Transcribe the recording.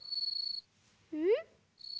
うん？